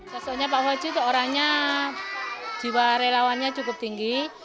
soalnya pak fawzi itu orangnya jiwa relawannya cukup tinggi